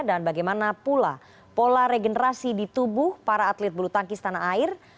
dan bagaimana pula pola regenerasi di tubuh para atlet bulu tangkis tanah air